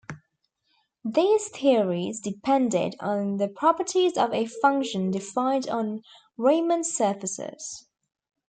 These theories depended on the properties of a function defined on Riemann surfaces.